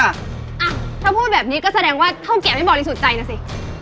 อ่ะถ้าพูดแบบนี้ก็แสดงว่าเท่าแก่ไม่บริสุทธิ์ใจนะสิ